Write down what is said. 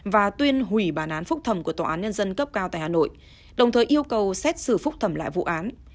và tuyên hủy bản án phúc thẩm của tòa án nhân dân cấp cao tại hà nội đồng thời yêu cầu xét xử phúc thẩm lại vụ án